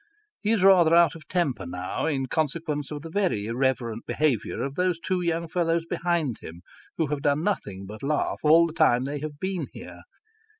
Ho is rather out of temper now, in consequence of the very irreverent behaviour of those two young fellows behind him, who have done nothing but laugh all the time they have been here.